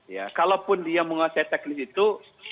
ya kalaupun dia menguasai teknis itu